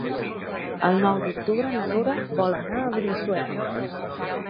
El nou d'octubre na Nura vol anar a Benissuera.